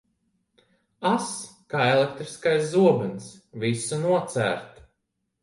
Ass kā elektriskais zobens, visu nocērt.